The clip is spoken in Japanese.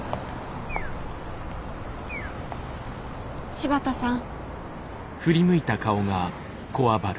柴田さん。